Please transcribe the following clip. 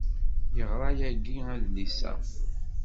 Teɣra yagi adlis-a.